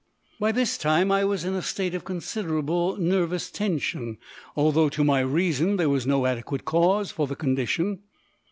By this time I was in a state of considerable nervous tension, although to my reason there was no adequate cause for the condition.